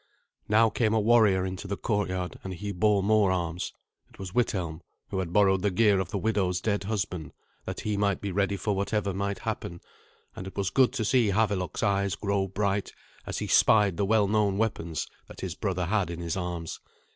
Now came a warrior into the courtyard, and he bore more arms. It was Withelm, who had borrowed the gear of the widow's dead husband, that he might be ready for whatever might happen: and it was good to see Havelok's eyes grow bright as he spied the well known weapons that his brother had in his arms.